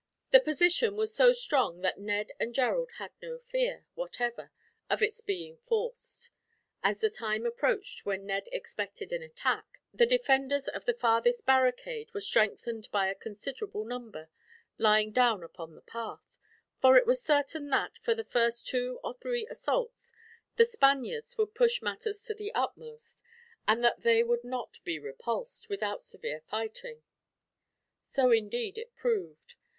The position was so strong that Ned and Gerald had no fear, whatever, of its being forced. As the time approached when Ned expected an attack, the defenders of the farthest barricade were strengthened by a considerable number, lying down upon the path; for it was certain that, for the first two or three assaults, the Spaniards would push matters to the utmost; and that they would not be repulsed, without severe fighting. So indeed it proved.